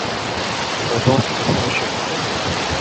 有多少候選人